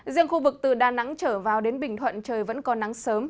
riêng khu vực từ đà nẵng trở vào đến bình thuận trời vẫn có nắng sớm